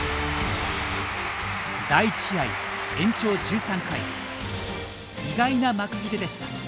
第１試合、延長１３回意外な幕切れでした。